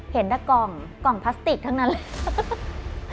เห็นรักก่อนพลาสติกทั้งนั้นแหละ